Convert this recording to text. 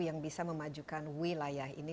yang bisa memajukan wilayah ini